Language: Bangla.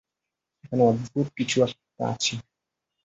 এখানে অদ্ভুত কিছু একটা আছে।